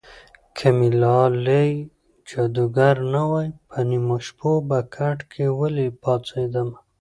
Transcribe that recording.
که مې لالی جادوګر نه وای په نیمو شپو به کټ کې ولې پاڅېدمه